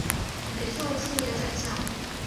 北宋初年宰相。